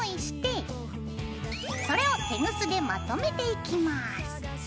それをテグスでまとめていきます。